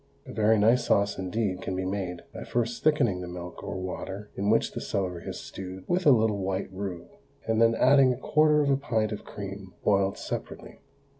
A very nice sauce indeed can be made by first thickening the milk or water in which the celery is stewed with a little white roux, and then adding a quarter of a pint of cream boiled separately.